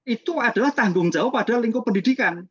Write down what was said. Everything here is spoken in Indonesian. itu adalah tanggung jawab pada lingkup pendidikan